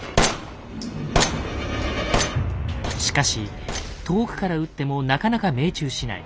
しかし遠くから撃ってもなかなか命中しない。